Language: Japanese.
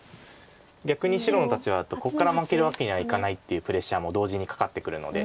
逆に白の立場だとここから負けるわけにはいかないっていうプレッシャーも同時にかかってくるので。